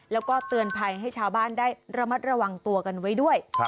แล้วก็เตือนภัยให้ชาวบ้านได้ระมัดระวังตัวกันไว้ด้วย